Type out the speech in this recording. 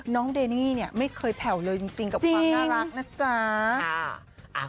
เดนี่เนี่ยไม่เคยแผ่วเลยจริงกับความน่ารักนะจ๊ะ